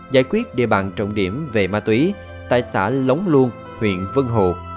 giải quyết địa bàn trọng điểm về ma túy tại xã lống luôn huyện vân hồ